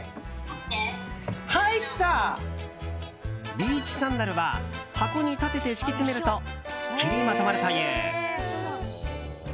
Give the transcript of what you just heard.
ビーチサンダルは箱に立てて敷き詰めるとすっきりまとまるという。